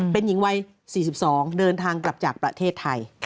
เป็นหญิงวัย๔๒เดินทางกลับจากประเทศไทย